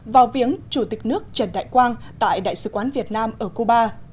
vào viếng chủ tịch nước trần đại quang tại đại sứ quán việt nam ở cuba